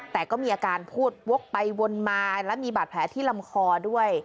แต่ก็มีอาการพูดวกไปวนมาและมีบาดแผลที่ลำคอด้วย